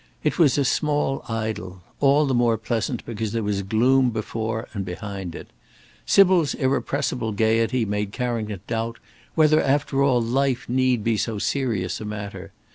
It was a small idyll, all the more pleasant because there was gloom before and behind it. Sybil's irrepressible gaiety made Carrington doubt whether, after all, life need be so serious a matter.